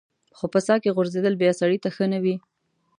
خو په څاه کې غورځېدل بیا سړی ته ښه نه وي.